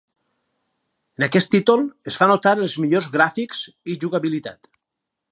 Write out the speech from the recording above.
En aquest títol es fa notar els millors gràfics i jugabilitat.